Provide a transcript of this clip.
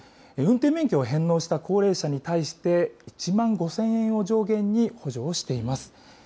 運転免許を返納した高齢者に対して、１万５０００円を上限に補助をしています。